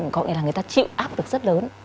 có nghĩa là người ta chịu áp lực rất lớn